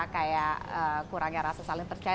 kayak kurangnya rasa saling percaya